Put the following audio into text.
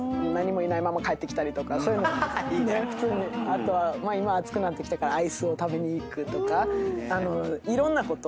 あとは今暑くなってきたからアイスを食べに行くとかいろんなこと。